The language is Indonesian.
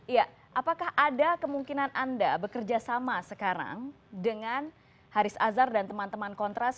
ya apakah ada kemungkinan anda bekerja sama sekarang dengan haris azhar dan teman teman kontras